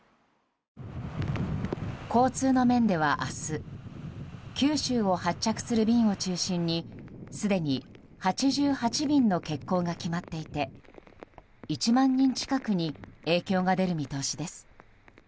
交通の面では明日九州を発着する便を中心にすでに８８便の欠航が決まっていて１万人近くに影響が出る見通しです。